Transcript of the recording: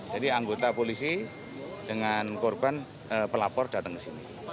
jadi anggota polisi dengan korban pelapor datang ke sini